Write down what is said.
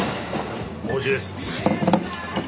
おいしいです！